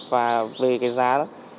và về cái giá đó